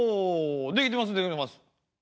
できてますできてます。